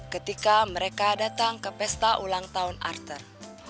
ketika mereka datang ke pesta ulang tahun arted